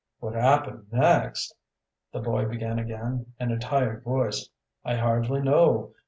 "What happened next?" the boy began again, in a tired voice. "I hardly know.